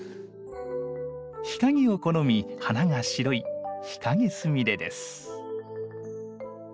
日陰を好み花が白いヒカゲスミレです。